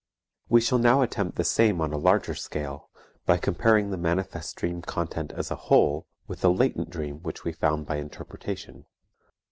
We shall now attempt the same on a larger scale, by comparing the manifest dream content as a whole, with the latent dream which we found by interpretation.